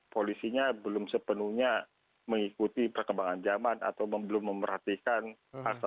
rileksnya fokus gunggu ngung lainnya di jawa lima puluh tahun dua ribu lima misalnya